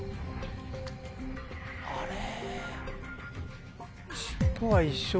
あれ？